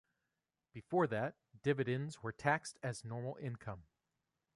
Before that, dividends were taxed as normal income.